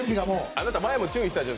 あなた前にも注意したでしょ